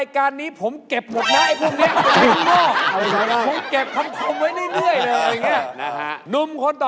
กาจออกซึ้ง